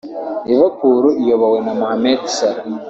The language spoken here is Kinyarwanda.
Liverpool iyobowe na Mohammed Salah